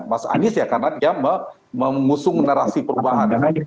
mas anies ya karena dia mengusung narasi perubahan